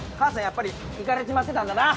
やっぱりいかれちまってたんだな。